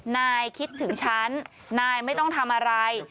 นายคิดถึงฉันนายไม่ต้องทำอะไร